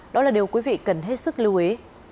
đó là điều quý vị cần hết sức lưu ý